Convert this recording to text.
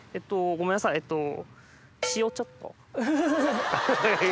ごめんなさいえっと塩ちょっと。